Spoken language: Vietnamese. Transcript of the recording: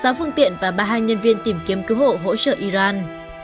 sáu phương tiện và ba mươi hai nhân viên tìm kiếm cứu hộ hỗ trợ iran